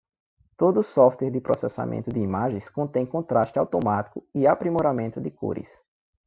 Todo software de processamento de imagens contém contraste automático e aprimoramento de cores.